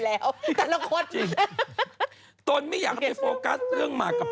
มัดดำอ่านถึงตรงนี้พอดี